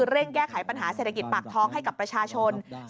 เร่งแก้ไขปัญหาเศรษฐกิจปากท้องให้กับประชาชน